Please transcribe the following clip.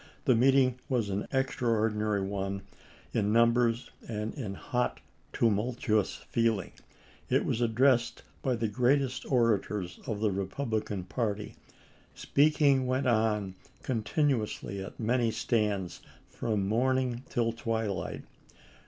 The meeting was an extraordinary one in numbers and in hot tumultuous feeling; it was addressed by the greatest orators of the Eepublican party; speaking went on continuously at many stands from morning until twilight.